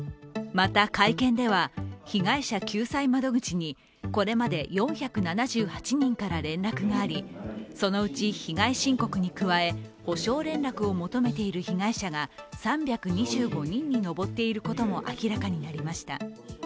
また会見では、被害者救済窓口にこれまで４７８人から連絡があり、そのうち被害申告に加え、補償連絡を求めている被害者が３２５人に上っていることも明らかになりました。